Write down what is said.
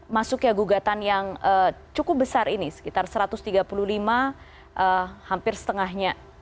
masuknya gugatan yang cukup besar ini sekitar satu ratus tiga puluh lima hampir setengahnya